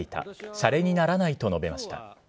しゃれにならないと述べました。